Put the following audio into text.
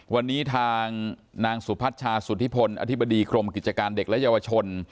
วันนี้ทางนางสุพัชชาสุธิพลอธิบดีกรมกิจการเด็กและเยาวชน